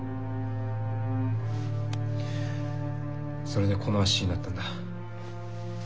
それでこの足になったんだ。